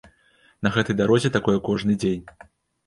На гэтай дарозе такое кожны дзень.